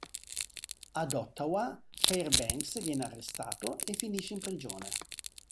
Ad Ottawa, Fairbanks viene arrestato e finisce in prigione.